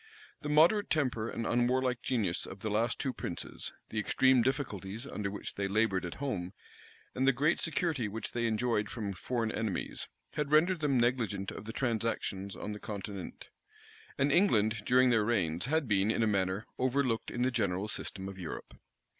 The moderate temper and unwarlike genius of the two last princes, the extreme difficulties under which they labored at home, and the great security which they enjoyed from foreign enemies, had rendered them negligent of the transactions on the continent; and England, during their reigns, had been, in a manner, overlooked in the general system of Europe.